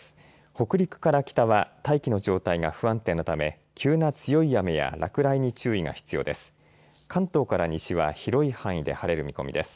北陸から北は大気の状態が不安定なため急な強い雨や落雷に注意が必要です。